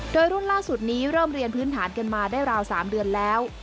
โดยรุ่นล่าสุดนี้เริ่มเรียนพื้นฐานกันมาได้ราว๓เดือนแล้ว